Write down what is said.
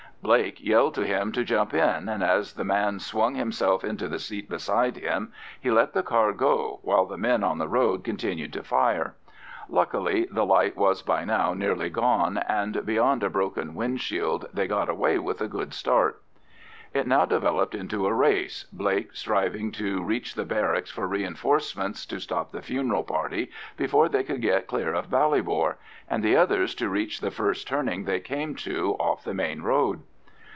Blake yelled to him to jump in, and as the man swung himself into the seat beside him, he let the car go, while the men on the road continued to fire. Luckily the light was by now nearly gone, and beyond a broken wind screen they got away with a good start. It now developed into a race, Blake striving to reach the barracks for reinforcements to stop the funeral party before they could get clear of Ballybor, and the others to reach the first turning they came to off the main road.